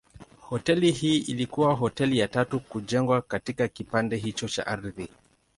Hoteli hii ilikuwa hoteli ya tatu kujengwa katika kipande hicho cha ardhi.